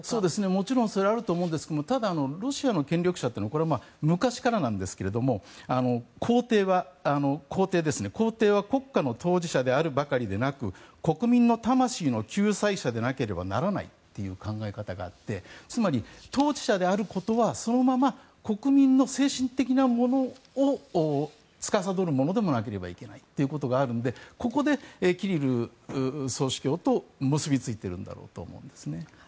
もちろんそれはあると思うんですがロシアの権力者というのは昔からなんですが、皇帝は国家の当事者であるばかりでなく国民の魂の救済者でなければならないという考え方があってつまり、統治者であることはそのまま国民の精神的なものをつかさどるものでもなくてはならないということでここでキリル総主教と結びついているんだろうと思うんですね。